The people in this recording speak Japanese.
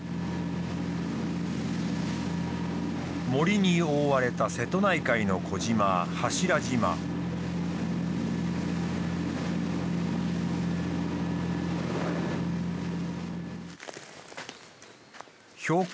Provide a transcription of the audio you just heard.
森に覆われた瀬戸内海の小島標高